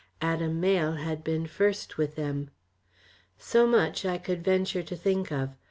Adam Mayle had been first with them. So much I could venture to think of.